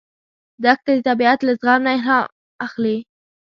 دښته د طبیعت له زغم نه الهام اخلي.